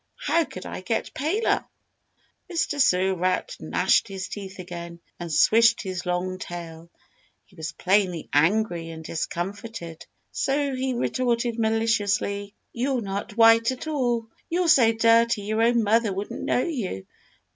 How could I get paler?" Mr. Sewer Rat gnashed his teeth again, and swished his long tail. He was plainly angry and discomfitted. So he retorted maliciously: "You're not white at all. You're so dirty your own mother wouldn't know you.